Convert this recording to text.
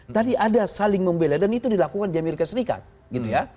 tadi ada saling membeli dan itu dilakukan di amerika serikat